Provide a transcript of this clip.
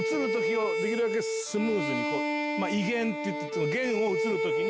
移弦っていって弦を移る時に。